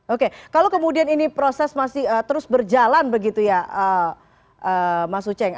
oke kalau kemudian ini proses masih terus berjalan begitu ya mas uceng